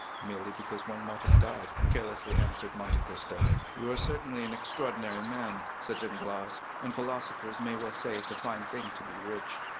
"Merely because one might have died," carelessly answered Monte Cristo. "You are certainly an extraordinary man," said Danglars; "and philosophers may well say it is a fine thing to be rich."